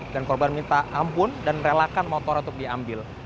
dan korban minta ampun dan relakan motor untuk diambil